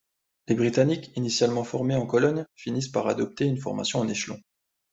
Les Britanniques, initialement formés en colonne, finissent par adopter une formation en échelon.